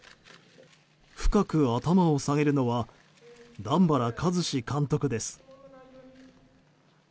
深く頭を下げるのは段原一詞監督です。